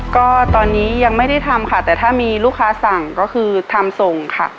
ก็ตอนนี้ยังไม่ได้ทำค่ะแต่ถ้ามีลูกค้าสั่งก็คือทำส่งค่ะ